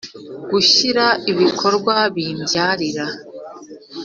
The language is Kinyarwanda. Gushyiraho ibikorwa bibyarira